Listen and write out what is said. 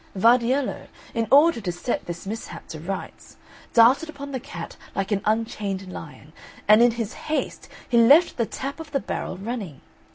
Vardiello, in order to set this mishap to rights, darted upon the cat like an unchained lion, and in his haste he left the tap of the barrel running.